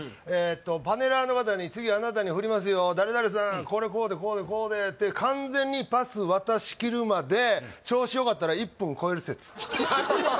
パネラーの方に次あなたに振りますよ誰々さんこれこうでこうでこうでって完全にパス渡しきるまで調子よかったら１分超える説